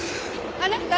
あなた！